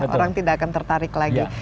orang tidak akan tertarik lagi